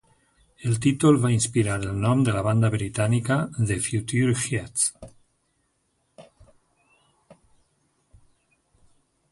El títol va inspirar el nom de la banda britànica The Futureheads.